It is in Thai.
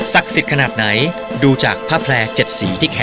ศักดิ์สิทธิ์ขนาดไหนดูจากผ้าแพร่เจ็ดสีที่แขก